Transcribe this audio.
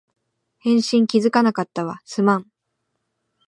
返信気づかなかったわ、すまん